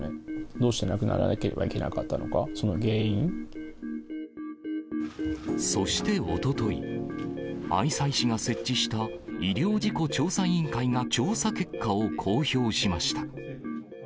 どうして亡くならなければいけなそしておととい、愛西市が設置した、医療事故調査委員会が調査結果を公表しました。